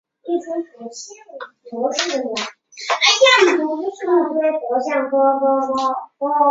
天山假狼毒是瑞香科假狼毒属的植物。